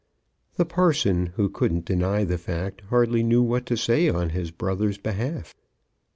The parson, who couldn't deny the fact, hardly knew what to say on his brother's behalf.